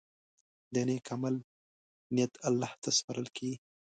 د نیک عمل نیت الله ته سپارل کېږي.